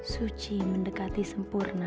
suci mendekati sempurna